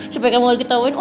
supaya gak mau lagi tauin